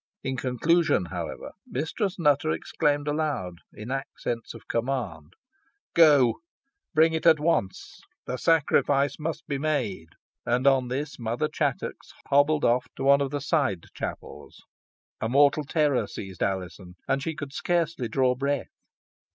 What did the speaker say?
In conclusion, however, Mistress Nutter exclaimed aloud, in accents of command "Go, bring it at once, the sacrifice must be made." And on this, Mother Chattox hobbled off to one of the side chapels. A mortal terror seized Alizon, and she could scarcely draw breath.